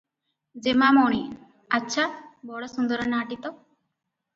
"ଯେମାମଣି! ଆଚ୍ଛା ବଡ ସୁନ୍ଦର ନାଁ ଟି ତ?